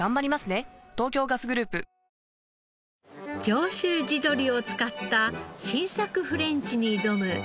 上州地鶏を使った新作フレンチに挑む